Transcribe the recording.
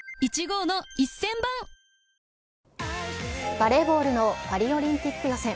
バレーボールのパリオリンピック予選。